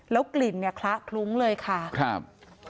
กลิ่นเนี่ยคละคลุ้งเลยค่ะครับ